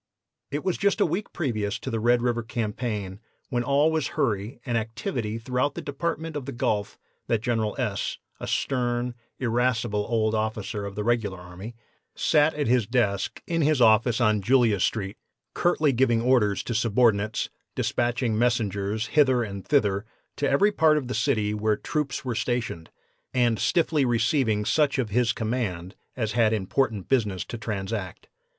"It was just a week previous to the Red River campaign, when all was hurry and activity throughout the Department of the Gulf, that General S., a stern, irascible old officer of the regular army, sat at his desk in his office on Julia street, curtly giving orders to subordinates, dispatching messengers hither and thither to every part of the city where troops were stationed, and stiffly receiving such of his command as had important business to transact.